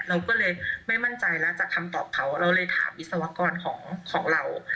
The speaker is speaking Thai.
เราก็เลยไม่มั่นใจแล้วจากคำตอบเขาเราเลยถามวิศวกรของเรา